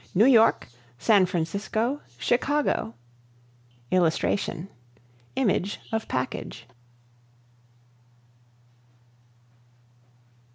NEW YORK SAN FRANCISCO CHICAGO [Illustration: Image of package.